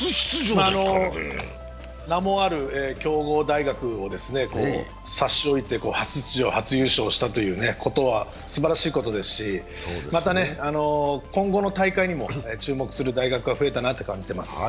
名もある強豪大学を差し置いて、初出場初優勝したことはすばらしいことですし、また今後の大会にも注目する大学が増えたなと感じています。